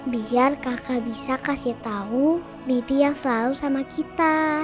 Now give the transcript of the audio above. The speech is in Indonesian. biar kakak bisa kasih tahu mimpi yang selalu sama kita